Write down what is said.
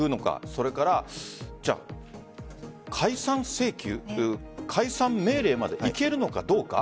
それから解散命令までいけるのかどうか。